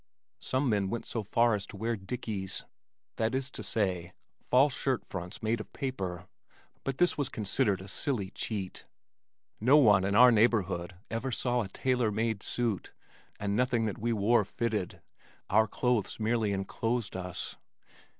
Some men went so far as to wear "dickies," that is to say, false shirt fronts made of paper, but this was considered a silly cheat. No one in our neighborhood ever saw a tailor made suit, and nothing that we wore fitted, our clothes merely enclosed us.